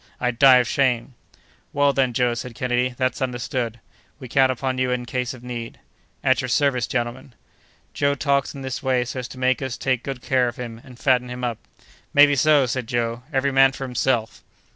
I'd die of shame!" "Well, then, Joe," said Kennedy, "that's understood; we count upon you in case of need!" "At your service, gentlemen!" "Joe talks in this way so as to make us take good care of him, and fatten him up." "Maybe so!" said Joe. "Every man for himself."